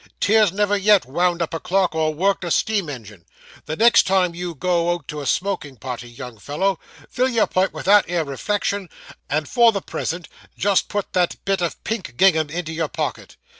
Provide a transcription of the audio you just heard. Tears never yet wound up a clock, or worked a steam ingin'. The next time you go out to a smoking party, young fellow, fill your pipe with that 'ere reflection; and for the present just put that bit of pink gingham into your pocket.